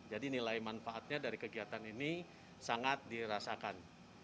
jadi nilai manfaatnya dari kegiatan ini sangat dirasakan